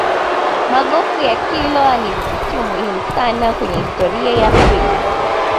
magofu ya kilwa ni vivutio muhimu sana kwenye historia ya africa